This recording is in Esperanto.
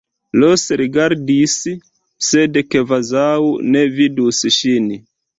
Ros rigardis, sed kvazaŭ ne vidus ŝin.